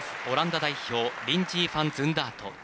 オランダ代表リンジー・ファンズンダート。